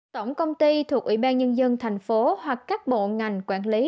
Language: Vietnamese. tổng công ty thuộc ủy ban nhân dân tp hcm hoặc các bộ ngành quản lý